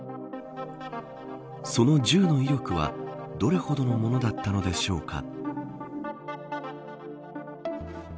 その銃の威力はどれほどのものだったのでしょうか。